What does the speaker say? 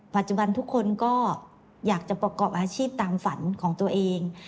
ปัจจุบันทุกคนก็อยากจะประกอบอาชีพตามฝันของตัวเอง